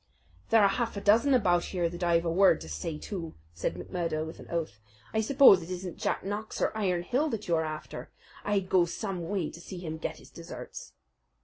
"There are half a dozen about here that I have a word to say to," said McMurdo, with an oath. "I suppose it isn't Jack Knox of Ironhill that you are after. I'd go some way to see him get his deserts."